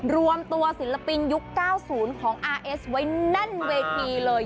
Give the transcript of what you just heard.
รวมตัวศิลปินยุค๙๐ของอาร์เอสไว้แน่นเวทีเลย